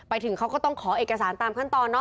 ไปถึงเขาก็ต้องขอเอกสารตามขั้นตอนเนอ